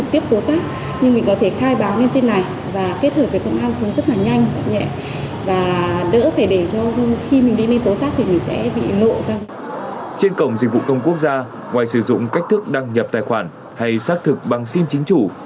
trên cổng dịch vụ công quốc gia ngoài sử dụng cách thức đăng nhập tài khoản hay xác thực bằng sim chính chủ